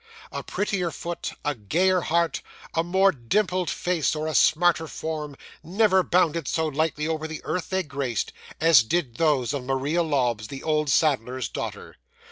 'A prettier foot, a gayer heart, a more dimpled face, or a smarter form, never bounded so lightly over the earth they graced, as did those of Maria Lobbs, the old saddler's daughter.